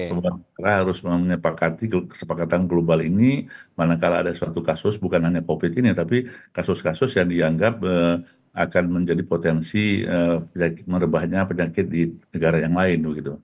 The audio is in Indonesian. sementara harus menyepakati kesepakatan global ini manakala ada suatu kasus bukan hanya covid ini tapi kasus kasus yang dianggap akan menjadi potensi merebaknya penyakit di negara yang lain